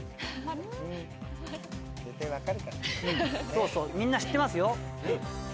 そうそうみんな知ってますよ。